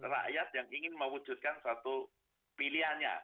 rakyat yang ingin mewujudkan suatu pilihannya